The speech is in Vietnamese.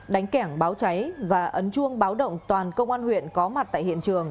đánh kẻng báo cháy và ấn chuông báo động toàn công an huyện có mặt tại hiện trường